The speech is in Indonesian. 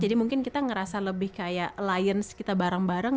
jadi mungkin kita ngerasa lebih kayak alliance kita bareng bareng